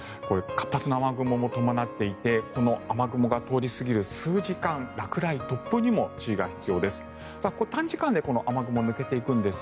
活発な雨雲も伴っていてこの雨雲が通り過ぎる数時間落雷、突風にも注意が必要です。